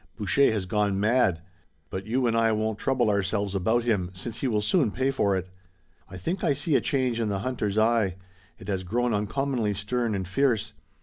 Boucher has gone mad! But you and I won't trouble ourselves about him, since he will soon pay for it. I think I see a change in the hunter's eye. It has grown uncommonly stern and fierce.